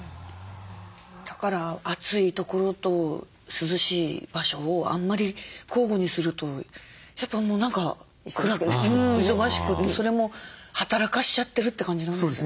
だから暑い所と涼しい場所をあんまり交互にするとやっぱ何か忙しくてそれも働かしちゃってるって感じなんですよね。